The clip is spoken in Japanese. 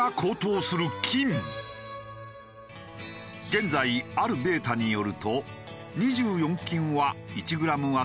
現在あるデータによると２４金は１グラムあたり